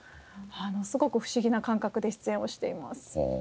すごく不思議な感覚で出演をしています。